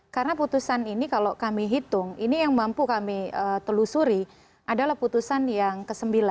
karena putusan ini kalau kami hitung ini yang mampu kami telusuri adalah putusan yang ke sembilan